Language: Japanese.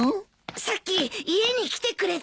さっき家に来てくれたって。